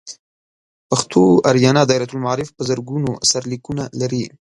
پښتو آریانا دایرة المعارف په زرګونه سرلیکونه لري.